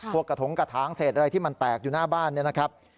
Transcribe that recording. กระถงกระถางเศษอะไรที่มันแตกอยู่หน้าบ้านเนี่ยนะครับ